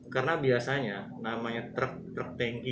karena biasanya namanya truk truk tanki